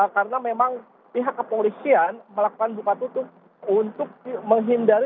karena memang pihak kepolisian melakukan bupa tutup untuk menghindari